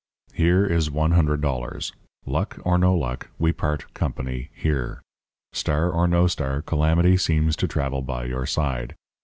Here is one hundred dollars. Luck or no luck, we part company here. Star or no star, calamity seems to travel by your side.